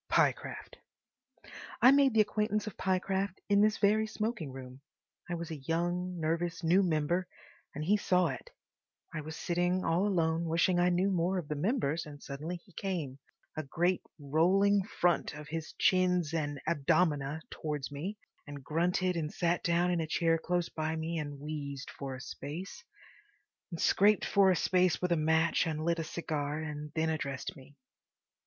Pyecraft—. I made the acquaintance of Pyecraft in this very smoking room. I was a young, nervous new member, and he saw it. I was sitting all alone, wishing I knew more of the members, and suddenly he came, a great rolling front of chins and abdomina, towards me, and grunted and sat down in a chair close by me and wheezed for a space, and scraped for a space with a match and lit a cigar, and then addressed me.